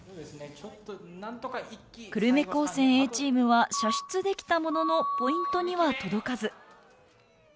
久留米高専Ａチームは射出できたもののポイントには届かず。